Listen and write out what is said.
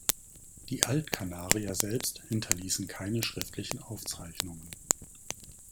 Die Altkanarier selbst hinterließen keine schriftlichen Aufzeichnungen.